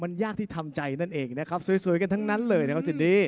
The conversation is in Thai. มันยากที่ทำใจนั่นเองนะครับสวยกันทั้งนั้นเลยนะครับสินดี้